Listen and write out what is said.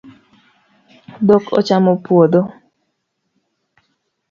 Dhok ochamo puodho